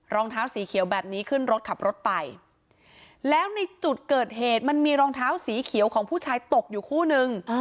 รองเท้าสีเขียวแบบนี้ขึ้นรถขับรถไปแล้วในจุดเกิดเหตุมันมีรองเท้าสีเขียวของผู้ชายตกอยู่คู่นึง